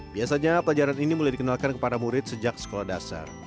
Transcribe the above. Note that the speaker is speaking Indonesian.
biasanya pelajaran ini mulai dikenalkan kepada murid sejak sekolah dasar